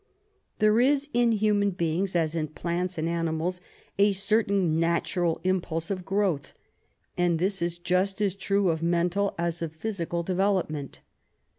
There is in human beings, as in plants and animals, a certain natural impulse of growth, and this is just as true of mental as of physical development.